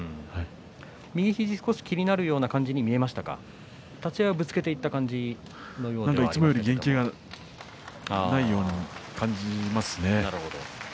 右肘、少し気になるような感じに見えましたか、立ち合いはぶつけていったようないつもより元気がないように感じますね。